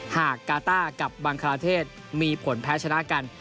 กาต้ากับบังคลาเทศมีผลแพ้ชนะกัน